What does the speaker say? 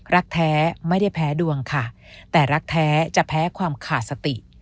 รักแท้ไม่ได้แพ้ดวงค่ะแต่รักแท้จะแพ้ความขาดสติ